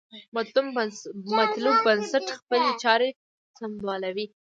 مطلوب بنسټ خپلې چارې سمبالوي.